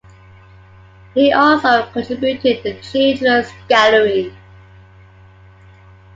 He also contributed the children's gallery.